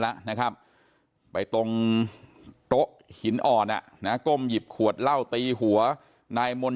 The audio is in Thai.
แล้วนะครับไปตรงโต๊ะหินอ่อนอ่ะนะก้มหยิบขวดเหล้าตีหัวนายมนต